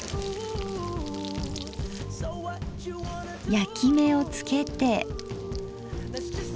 焼き目をつけて。